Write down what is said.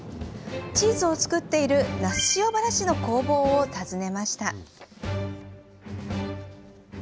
チーズを作っている那須塩原市の工房を訪ねました。